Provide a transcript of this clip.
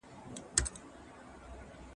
حکومتونه څنګه سیاسي بندیان ایله کوي؟